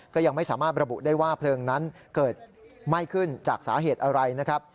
ก็ยังไม่สามารถระบุได้ว่าเพลิงนั้นเกิดไหม้ขึ้นจากสาเหตุอะไรนะครับ